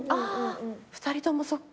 ２人ともそっか。